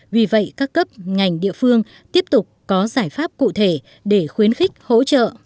vì vậy các cấp ngành địa phương tiếp tục có giải pháp cụ thể để khuyến khích hỗ trợ